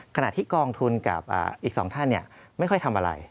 ขณะที่กองทุนกับอีก๒ท่านไม่ค่อยทำอะไร